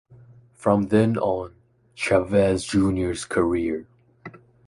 From then on, Chávez Jr.’s career.